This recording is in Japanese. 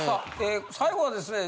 最後はですね